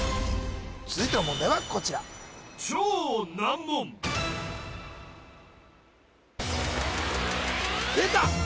続いての問題はこちらでた！